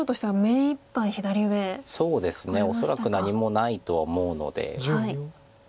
恐らく何もないとは思うので。